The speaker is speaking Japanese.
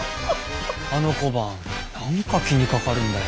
あの小判何か気にかかるんだよ。